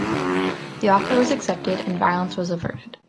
The offer was accepted, and violence was averted.